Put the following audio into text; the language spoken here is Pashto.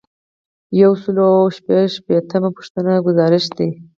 یو سل او شپږ شپیتمه پوښتنه ګزارش دی.